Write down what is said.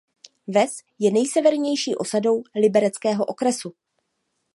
Ves je nejsevernější osadou libereckého okresu.